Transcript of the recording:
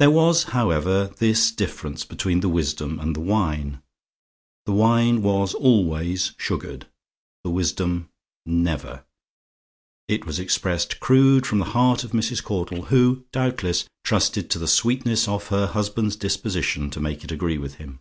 There was, however, this difference between the wisdom and the wine. The wine was always sugared: the wisdom, never. It was expressed crude from the heart of Mrs. Caudle; who, doubtless, trusted to the sweetness of her husband's disposition to make it agree with him.